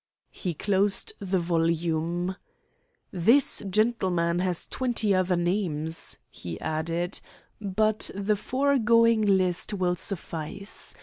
He closed the volume. "This gentleman has twenty other names," he added; "but the foregoing list will suffice.